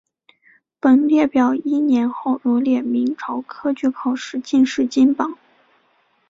本列表依年号罗列明朝科举考试进士金榜。